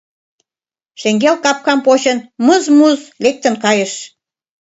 Шеҥгел капкам почын, мыз-муз лектын кайыш.